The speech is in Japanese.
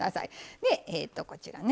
でこちらね